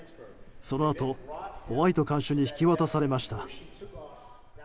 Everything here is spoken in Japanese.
そのあとホワイト看守に引き渡されました。